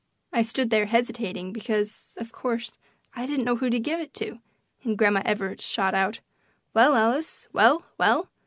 I stood there hesitating because, of course, I didn't know who to give it to, and Grandma Evarts shot out, "Well, Alice! Well, Well!"